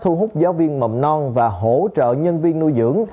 thu hút giáo viên mầm non và hỗ trợ nhân viên nuôi dưỡng